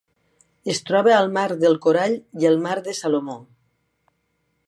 Es troba al Mar del Corall i el Mar de Salomó.